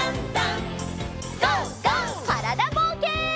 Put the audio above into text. からだぼうけん。